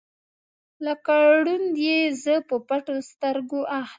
لکه ړوند یې زه په پټو سترګو اخلم